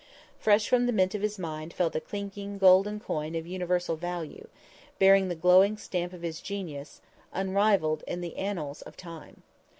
Fresh from the mint of his mind fell the clinking, golden coin of universal value, bearing the glowing stamp of his genius, unrivaled in the annals of time.